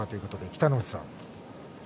北の富士さん。